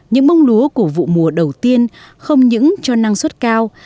những bông lúa của vụ mùa đầu tiên không những cho năng suất cao